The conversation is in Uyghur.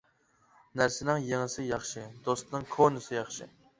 نەرسىنىڭ يېڭىسى ياخشى، دوستنىڭ كونىسى ياخشى.